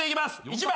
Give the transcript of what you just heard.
１番